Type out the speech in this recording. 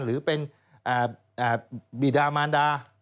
หรือเป็นบีดามานดา